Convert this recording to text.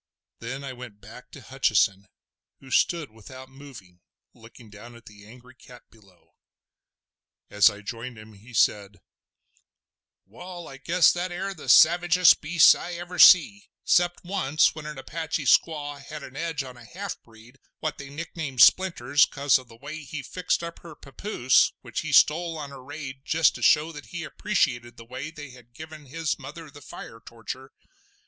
Then I went back to Hutcheson, who stood without moving, looking down on the angry cat below. As I joined him, he said: "Wall, I guess that air the savagest beast I ever see—'cept once when an Apache squaw had an edge on a half breed what they nicknamed 'Splinters' "cos of the way he fixed up her papoose which he stole on a raid just to show that he appreciated the way they had given his mother the fire torture.